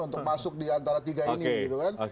untuk masuk diantara tiga ini gitu kan